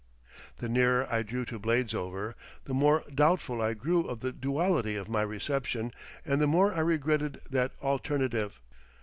The nearer I drew to Bladesover, the more doubtful I grew of the duality of my reception, and the more I regretted that alternative.